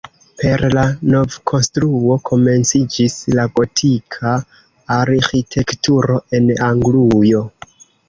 Per la novkonstruo komenciĝis la gotika arĥitekturo en Anglujo.